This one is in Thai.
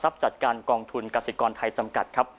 จัดการกองทุนกสิกรไทยจำกัดครับ